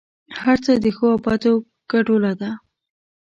هر څه د ښو او بدو ګډوله ده.